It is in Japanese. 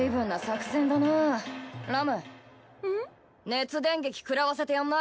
熱電撃くらわせてやんな。